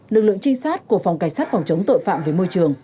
lực lượng trinh sát của phòng cảnh sát phòng chống tội phạm về môi trường